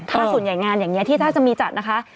ถ้าส่วนใหญ่งานอย่างนี้ที่ถ้าจะมีจัดนะคะ